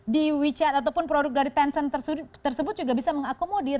di wechat ataupun produk dari tencent tersebut juga bisa mengakomodir